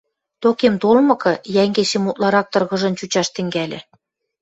Токем толмыкы, йӓнгешем утларак тыргыжын чучаш тӹнгӓльӹ.